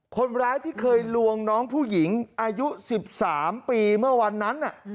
คนร้ายที่เคยลวงน้องผู้หญิงอายุ๑๓ปีเมื่อวันนั้น